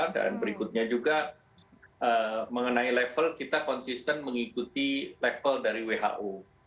dan berikutnya juga mengenai level kita konsisten mengikuti level dari who